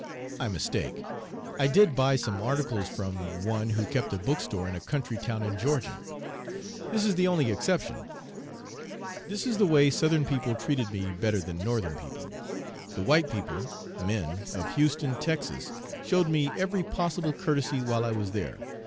I mistake. I did buy some articles from one who kept a book store in a country town in Georgia. This is the only exception. This is the way Southern people treated me better than Northern people. The white people (men) of Houston, Texas, showed me every possible courtesy while I was there.